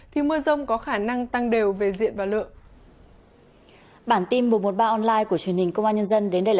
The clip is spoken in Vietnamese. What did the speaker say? thì mưa rông có khả năng tăng đều về diện và lượng